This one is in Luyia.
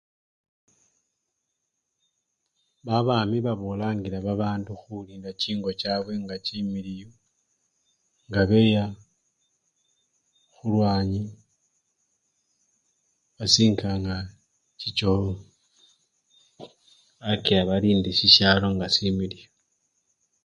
Babami babolangila babandu khulinda chingo chabwe nga chimiliyu nga beya khulwanyi, basinganga chi choo kakila balinde sisyalo nga similiyu.